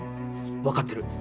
わかってる。